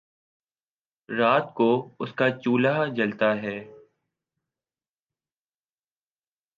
رات کو اس کا چولہا جلتا ہے